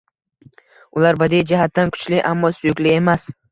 Ular badiiy jihatdan kuchli, ammo suyukli emas.